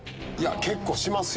結構しますよ